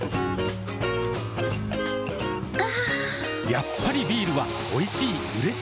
やっぱりビールはおいしい、うれしい。